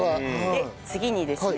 で次にですね